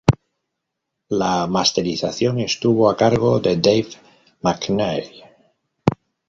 La masterización estuvo a cargo de Dave McNair.